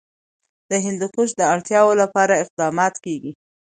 د هندوکش د اړتیاوو لپاره اقدامات کېږي.